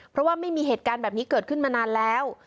เพราะว่าไม่มีเหตุการณ์แบบนี้เกิดขึ้นมานานแล้ว